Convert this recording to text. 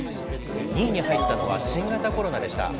２位に入ったのは、新型コロナでした。